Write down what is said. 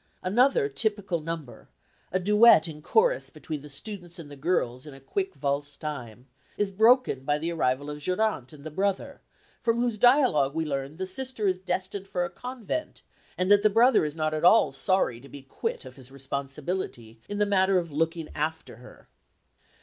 Another typical number, a duet in chorus between the students and the girls in a quick valse time, is broken by the arrival of Geronte and the brother, from whose dialogue we learn the sister is destined for a convent, and that the brother is not at all sorry to be quit of his responsibility in the matter of looking after her.